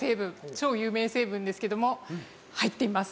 超有名成分ですけども入っています。